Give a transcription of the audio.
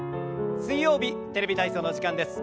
水曜日「テレビ体操」の時間です。